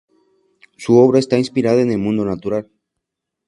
Su obra está inspirada en el mundo natural.